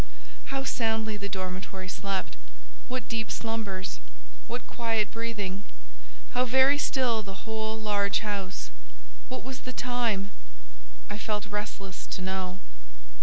How soundly the dormitory slept! What deep slumbers! What quiet breathing! How very still the whole large house! What was the time? I felt restless to know.